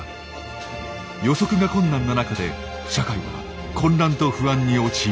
予測が困難な中で社会は混乱と不安に陥ります。